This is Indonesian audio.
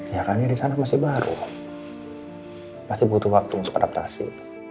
ya kan ya di sana masih baru pasti butuh waktu harus beradaptasi